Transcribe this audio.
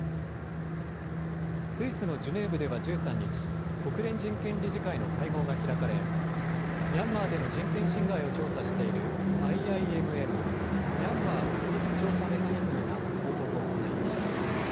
スイスのジュネーブでは１３日、国連人権理事会の会合が開かれミャンマーでの人権侵害を調査しているＩＩＭＭ・ミャンマー独立調査メカニズムが報告を行いました。